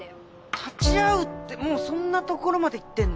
立ち会うってもうそんなところまでいってんの？